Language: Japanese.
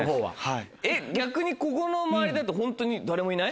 逆にここの周りだとホントに誰もいない？